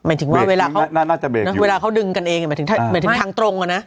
หมายถึงว่าเวลาเขาเวลาเขาดึงกันเองหมายถึงทางตรงกันนะ